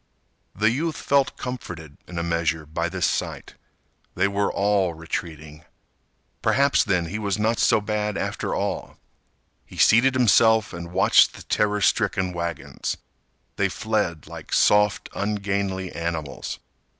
The youth felt comforted in a measure by this sight. They were all retreating. Perhaps, then, he was not so bad after all. He seated himself and watched the terror stricken wagons. They fled like soft, ungainly animals.